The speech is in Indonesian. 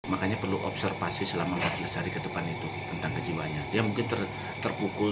makanya perlu observasi selama empat belas hari ke depan itu tentang kejiwaannya dia mungkin terpukul